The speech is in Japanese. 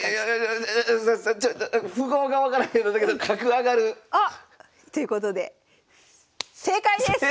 ええちょ符号が分からんけどだけど角上がる！あっ！ということで正解です！